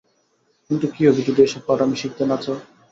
কিন্তু কি হবে যদি এসব পাঠ আমি শিখতে না চাই?